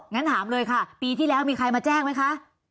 งั้นถามเลยค่ะปีที่แล้วมีใครมาแจ้งไหมคะ